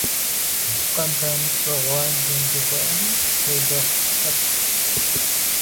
«Къэбан пщӀэгъуалэ» жыхуаӀэри щолэхъу лъэпкъщ.